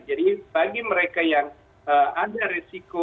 jadi bagi mereka yang ada resiko